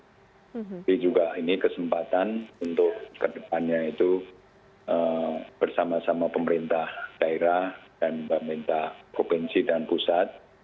tapi juga ini kesempatan untuk kedepannya itu bersama sama pemerintah daerah dan pemerintah provinsi dan pusat